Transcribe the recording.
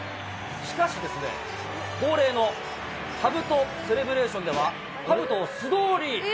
しかしですね、恒例のかぶとセレブレーションではかぶとを素通り。